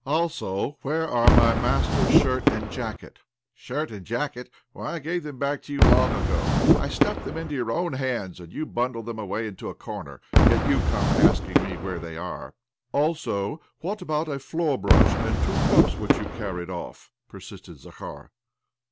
" Also, where are my master's shirt and jacket? "" Shirt and jacket ? Why, I gave them back to you long ago. I stuffed them into your own hands, ahd you bundled them away into a corner. Yet you come asking me where they are I "" Also, what about a floorbrush and two cups which you carried off?" persisted Zakhar.